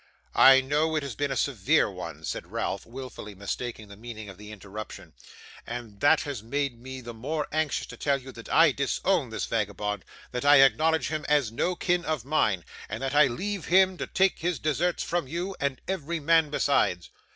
'I know it has been a severe one,' said Ralph, wilfully mistaking the meaning of the interruption, 'and that has made me the more anxious to tell you that I disown this vagabond that I acknowledge him as no kin of mine and that I leave him to take his deserts from you, and every man besides.